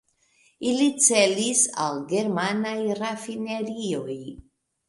Ili celis al germanaj rafinerioj.